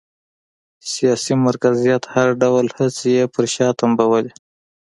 سیاسي مرکزیت هر ډول هڅې یې پر شا تمبولې